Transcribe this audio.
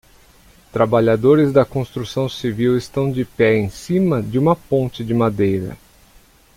Trabalhadores da construção civil estão de pé em cima de uma ponte de madeira.